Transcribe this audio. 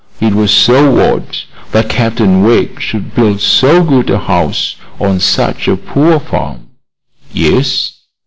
It was so odd that Captain Wegg should build so good a house on such a poor farm." "Yes."